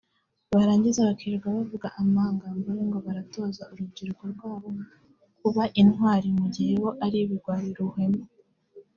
Barangiza bakirirwa bavuga amangambure ngo baratoza urubyiruko rwabo kuba intwari mu gihe bo ari ibigwari ruhenu